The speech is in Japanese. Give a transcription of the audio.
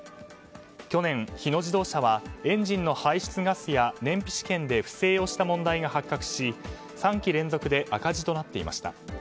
去年、日野自動車はエンジンの排出ガスや燃費試験で不正をした問題が発覚し３期連続で赤字となっていました。